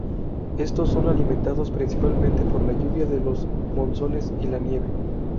Estos son alimentados principalmente por la lluvia de los monzones y la nieve.